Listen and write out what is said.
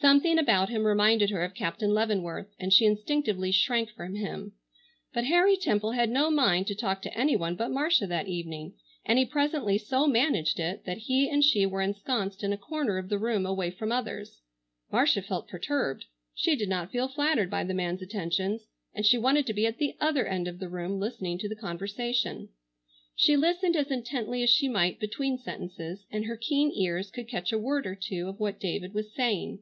Something about him reminded her of Captain Leavenworth, and she instinctively shrank from him. But Harry Temple had no mind to talk to any one but Marcia that evening, and he presently so managed it that he and she were ensconced in a corner of the room away from others. Marcia felt perturbed. She did not feel flattered by the man's attentions, and she wanted to be at the other end of the room listening to the conversation. She listened as intently as she might between sentences, and her keen ears could catch a word or two of what David was saying.